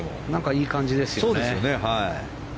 いい感じですよね。